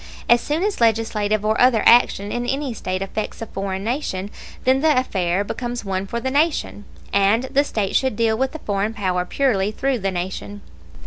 As soon as legislative or other action in any State affects a foreign nation, then the affair becomes one for the Nation, and the State should deal with the foreign power purely through the Nation.